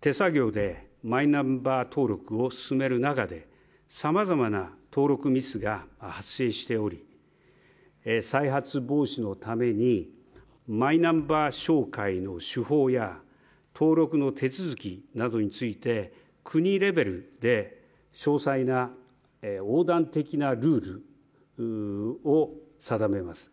手作業でマイナンバー登録を進める中でさまざまな登録ミスが発生しており再発防止のためにマイナンバー照会の手法や登録の手続きなどについて国レベルで詳細な横断的なルールを定めます。